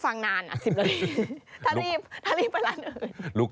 สวัสดีครับสวัสดีครับ